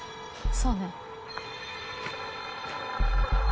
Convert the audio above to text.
そうね。